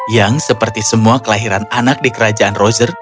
yang seperti semua kelahiran anak di kerajaan rozer